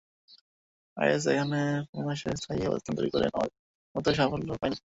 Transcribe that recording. Is এখনো বাংলাদেশে স্থায়ী অবস্থান তৈরি করে নেওয়ার মতো সাফল্য পায়নি।